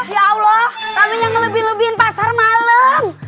ya allah kami yang ngelebi lebiin pasar malam